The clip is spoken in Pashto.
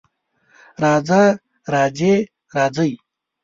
راځه، راځې، راځئ